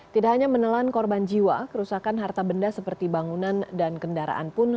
tidak hanya menelan korban jiwa kerusakan harta benda seperti bangunan dan kendaraan pun